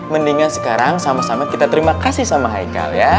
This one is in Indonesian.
mendingan sekarang sama sama kita terima kasih sama haikal ya